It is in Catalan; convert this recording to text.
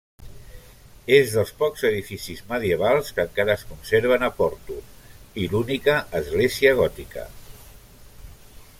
És dels pocs edificis medievals que encara es conserven a Porto i l'única església gòtica.